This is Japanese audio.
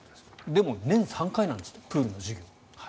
でも、年３回なんですってプールの授業が。